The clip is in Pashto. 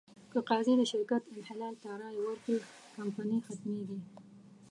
که قاضي د شرکت انحلال ته رایه ورکړي، کمپنۍ ختمېږي.